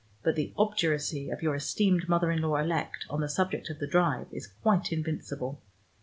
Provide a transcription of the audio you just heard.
But the obduracy of your esteemed mother in law elect on the subject of the drive is quite invincible.